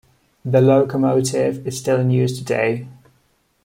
The locomotive is still in use today.